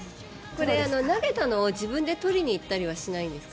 これ、投げたのを自分で取りにいったりはしないんですか？